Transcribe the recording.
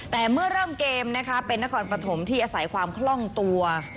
แต่เมื่อเริ่มเกมนะคะเป็นนครปฐมที่อาศัยความคล่องตัว